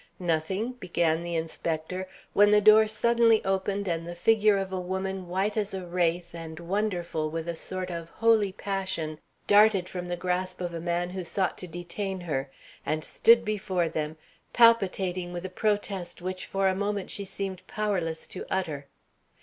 "Nothing," began the inspector, when the door suddenly opened and the figure of a woman white as a wraith and wonderful with a sort of holy passion darted from the grasp of a man who sought to detain her, and stood before them, palpitating with a protest which for a moment she seemed powerless to utter.